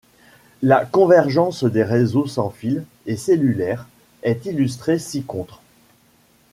La convergence des réseaux sans fil et cellulaires est illustrée ci-contre.